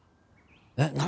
「えっ何？」